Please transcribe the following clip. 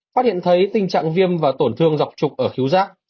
phát hiện thấy tình trạng viêm và tổn thương dọc trục ở khiếu giác